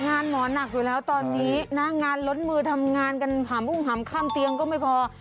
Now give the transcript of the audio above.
งานหมอน่ากอยู่แล้วตอนนี้นะงานลดมือทำงานกันห่ามค่ำเตียงก็ไม่พอ